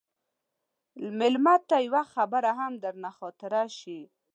مېلمه ته یوه خبره هم درنه خاطره شي.